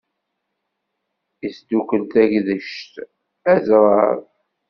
Isdukkel tagdect, aẓrar.